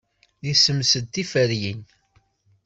Yessemsed tiferyin.